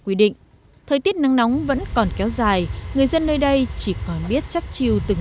quy định thời tiết nắng nóng vẫn còn kéo dài người dân nơi đây chỉ còn biết chắc chiêu từng